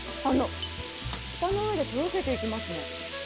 舌の上でとろけていきますね。